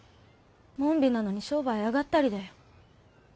紋日なのに商売上がったりだよ。